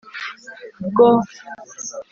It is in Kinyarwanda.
bwo